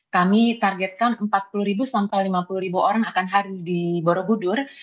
kami targetkan empat puluh sampai lima puluh orang akan hari di borobudur